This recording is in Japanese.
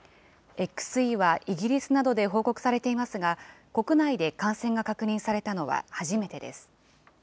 ＸＥはイギリスなどで報告されていますが、国内で感染が確認されたのは初めてです。